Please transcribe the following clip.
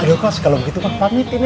aduh kus kalau begitu pak pamit ini